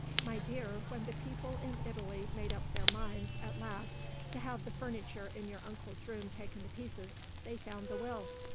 My dear, when the people in Italy made up their minds, at last, to have the furniture in your uncle's room taken to pieces, they found the Will.